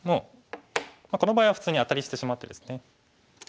この場合は普通にアタリしてしまってですね。